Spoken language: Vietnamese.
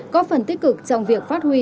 có phần tích cực trong việc phát huy